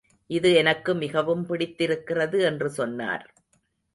இது எனக்கு மிகவும் பிடித்திருக்கிறது என்று சொன்னார்.